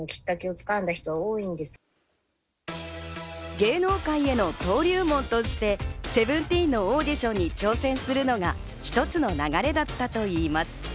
芸能界への登竜門として『Ｓｅｖｅｎｔｅｅｎ』のオーディションに挑戦するのが一つの流れだったといいます。